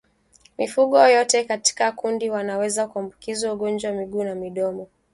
Mifugo yote katika kundi wanaweza kuambukizwa ugonjwa wa miguu na midomo